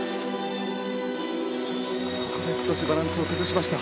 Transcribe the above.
ここで少しバランスを崩しました。